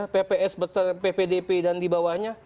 pps ppdp dan di bawahnya